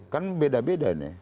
kan beda beda nih